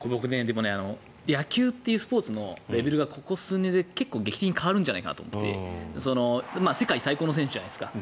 野球というスポーツのレベルがここ数年で結構劇的に変わるんじゃないかなと思っていて世界最高の選手じゃないですか。